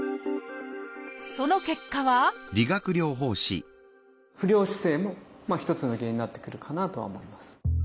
その結果は不良姿勢も一つの原因になってくるかなとは思います。